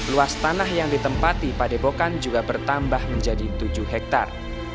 luas tanah yang ditempati padepokan juga bertambah menjadi tujuh hektare